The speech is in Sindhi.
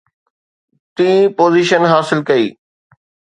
ٽين پوزيشن حاصل ڪئي